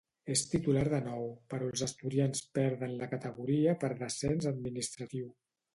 És titular de nou, però els asturians perden la categoria per descens administratiu.